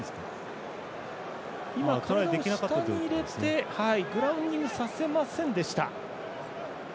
体を下に入れてグラウンディングさせませんでした。